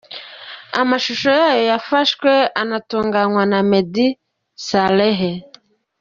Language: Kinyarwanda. Amashusho yayo yafashwe anatunganywa na Meddy Saleh.